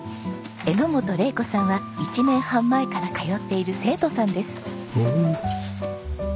榎本麗子さんは１年半前から通っている生徒さんです。